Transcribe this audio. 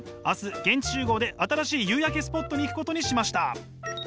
明日現地集合で新しい夕焼けスポットに行くことにしました。